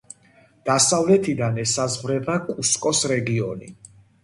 დასავლეთიდან ესაზღვრება კუსკოს რეგიონი.